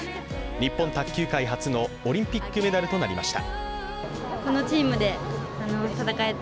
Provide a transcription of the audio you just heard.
日本卓球界初のオリンピックメダルとなりました。